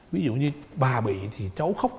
ví dụ như bà bị thì cháu khóc